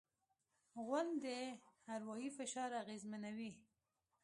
غول د اروایي فشار اغېزمنوي.